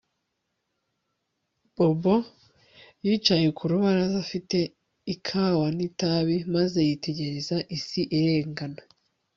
Bobo yicaye ku rubaraza afite ikawa nitabi maze yitegereza isi irengana